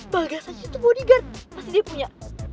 bagas aja tuh bodyguard pasti dia punya